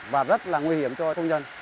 và rất là nguy hiểm cho công nhân